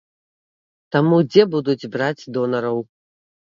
Таму дзе будуць браць донараў?